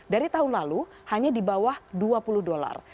dari tahun lalu hanya di bawah dua puluh dolar